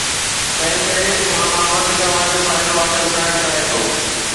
تنهنڪري ان مان وڌ کان وڌ فائدو حاصل ڪرڻ چاهي ٿو.